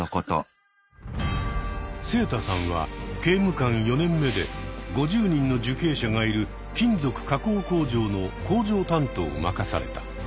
セイタさんは刑務官４年目で５０人の受刑者がいる金属加工工場の「工場担当」を任された。